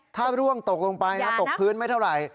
ถ้าร่วงตกลงไปนะตกพื้นไม่เท่าไหร่